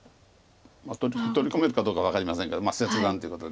取り込めるかどうかは分かりませんけど切断ということで。